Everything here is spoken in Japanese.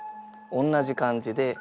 おんなじ感じで味